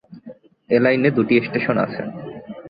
এ লাইনে দুটি স্টেশন আছে।